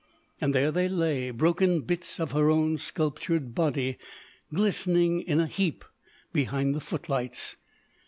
There they lay, broken bits of her own sculptured body, glistening in a heap behind the footlights.